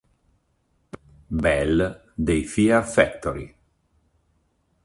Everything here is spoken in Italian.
Bell dei Fear Factory.